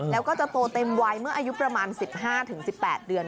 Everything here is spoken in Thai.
แล้วก็จะโตเต็มวัยเมื่ออายุประมาณ๑๕๑๘เดือน